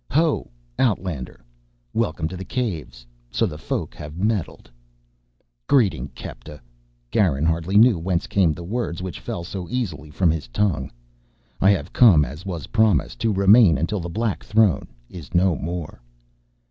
"Ho, outlander! Welcome to the Caves. So the Folk have meddled " "Greeting, Kepta." Garin hardly knew whence came the words which fell so easily from his tongue. "I have come as was promised, to remain until the Black Throne is no more."